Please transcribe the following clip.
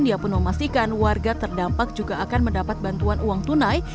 dia pun memastikan warga terdampak juga akan mendapat bantuan uang tunai